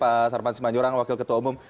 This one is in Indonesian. pak sarman simanjurang wakil ketua umum